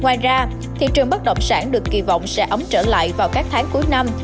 ngoài ra thị trường bất động sản được kỳ vọng sẽ ấm trở lại vào các tháng cuối năm